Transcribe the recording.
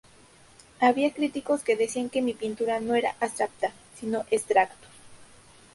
Había críticos que decían que mi pintura no era abstracta, sino extractos.